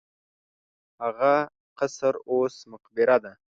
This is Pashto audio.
هغه قصر اوس مقبره ده.